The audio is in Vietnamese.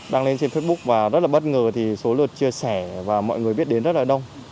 đăng lên trên facebook và rất là bất ngờ thì số lượt chia sẻ và mọi người biết đến rất là đông